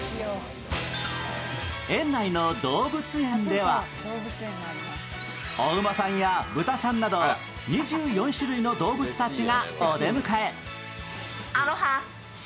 園内のどうぶつえんでは、お馬さんや豚さんなど、２４種類の動物たちがお出迎え。